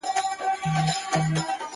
• مېنه یوه ده له هري تر بدخشان وطنه ,